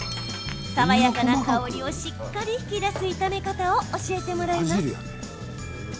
爽やかな香りをしっかり引き出す炒め方を教えてもらいます。